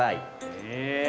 へえ。